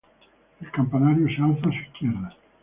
El campanario se alza a su izquierda.